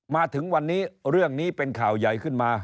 มาถึงวันนี้เรื่องนี้เป็นข่าวใหญ่ขึ้นมา